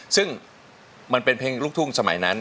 ซึ่งมันเป็นเพลงลูกทุ่งสมัยนั้น